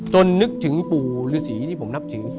จนนึกถึงปูหรือสีที่ผมนับถึง